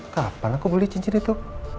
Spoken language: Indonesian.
kapan aku beli cincin itu